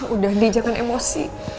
udah ndi jangan emosi